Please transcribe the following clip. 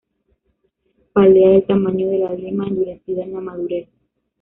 Pálea del tamaño de la lema, endurecida en la madurez.